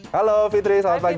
halo fitri selamat pagi